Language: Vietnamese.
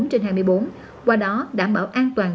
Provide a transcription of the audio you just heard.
hai mươi bốn trên hai mươi bốn qua đó đảm bảo an toàn